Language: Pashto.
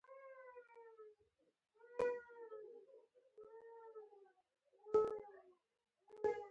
مېلمه ته د کور لورینه ښکاره کړه.